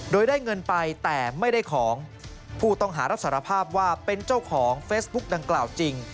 โดยได้เงินไปแต่ไม่ได้ของผู้ต้องหารับสารภาพว่าเป็นเจ้าของเฟซบุ๊กดังกล่าวจริง